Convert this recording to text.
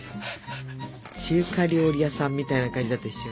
中華料理屋さんみたいな感じだったでしょ。